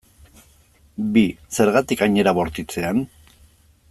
Bi, zergatik hain era bortitzean?